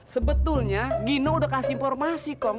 sebetulnya gino udah kasih informasi